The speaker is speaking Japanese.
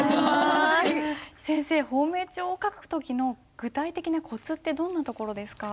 先生芳名帳を書く時の具体的なコツってどんなところですか？